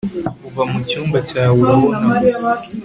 kuva mucyumba cyawe urabona gusa